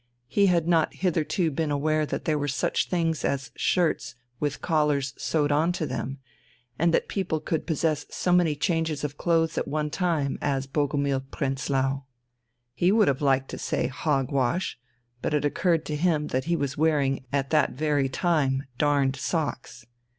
He had not hitherto been aware that there were such things as shirts with collars sewed on to them and that people could possess so many changes of clothes at one time as Bogumil Prenzlau. He would have liked to say "hog wash," but it occurred to him that he was wearing at that very time darned socks.